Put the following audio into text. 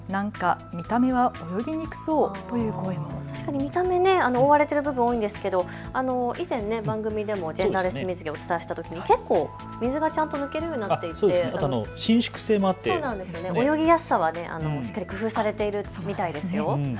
確かに見た目、覆われている部分多いんですけど、以前番組でもジェンダーレス水着、お伝えしたとき、結構水がちゃんと抜けるようになっていて、伸縮性もあって、泳ぎやすさはしっかり工夫されているみたいですよ。